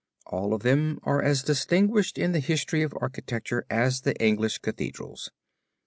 All of them are as distinguished in the history of architecture as the English Cathedrals.